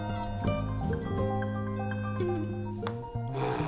ああ。